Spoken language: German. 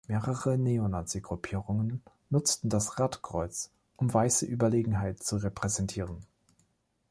Mehrere Neo-Nazi-Gruppierungen nutzen das Radkreuz, um weiße Überlegenheit zu repräsentieren.